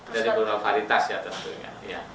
dari bonovalitas ya tentunya